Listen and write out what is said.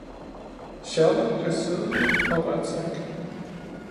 Charlot blev siddende og rørte sig ikke.